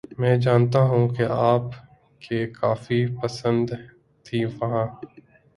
میں جانتا ہیںں کہ آپ کیں کافی پسند تھیں وہاں